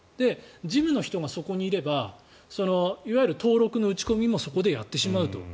事務の人がそこにいればいわゆる登録の打ち込みもそこでやってしまうと。